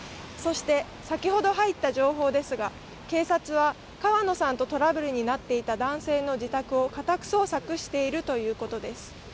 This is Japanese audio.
先ほど入った情報ですが、警察は川野さんとトラブルになっていた男性の自宅を家宅捜索しているということです。